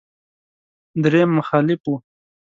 درېيم مخالف و.